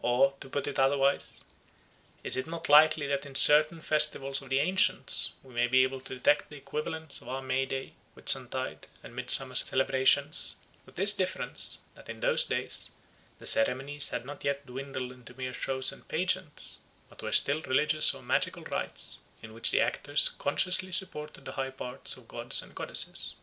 Or, to put it otherwise, is it not likely that in certain festivals of the ancients we may be able to detect the equivalents of our May Day, Whitsuntide, and Midsummer celebrations, with this difference, that in those days the ceremonies had not yet dwindled into mere shows and pageants, but were still religious or magical rites, in which the actors consciously supported the high parts of gods and goddesses?